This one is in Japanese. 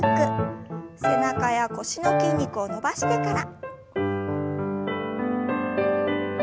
背中や腰の筋肉を伸ばしてから。